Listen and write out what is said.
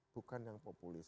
bukan yang populis